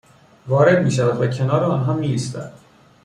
وارد میشود و کنار آنها میایستد